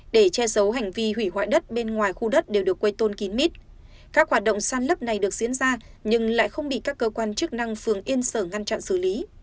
để che giấu hành vi hủy hoại đất bên ngoài khu đất đều được quây tôn kín mít các hoạt động săn lấp này được diễn ra nhưng lại không bị các cơ quan chức năng phường yên sở ngăn chặn xử lý